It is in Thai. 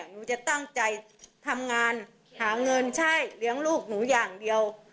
หนูจะตั้งใจทำงานหาเงินใช่เลี้ยงลูกหนูอย่างเดียว